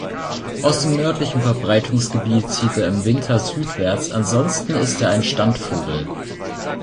Aus dem nördlichen Verbreitungsgebiet zieht er im Winter südwärts, ansonsten ist er ein Standvogel.